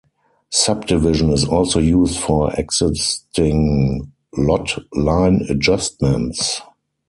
Subdivision is also used for existing lot line adjustments.